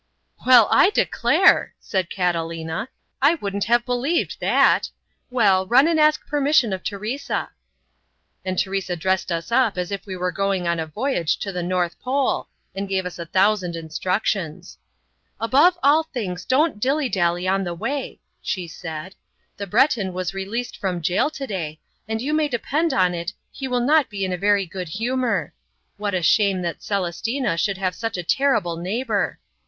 "Well, I declare!" said Catalina, "I wouldn't have believed that! Well, run and ask permission of Teresa." And Teresa dressed us up as if we were going on a voyage to the North Pole and gave us a thousand instructions. "Above all things don't 'dilly dally' on the way," she said. "The Breton was released from jail today, and you may depend on it he will not be in a very good humor. What a shame that Celestina should have such a terrible neighbor.